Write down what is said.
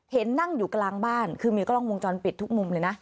นั่งอยู่กลางบ้านคือมีกล้องวงจรปิดทุกมุมเลยนะ